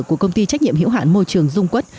của công ty trách nhiệm hiệu hạn môi trường dung quất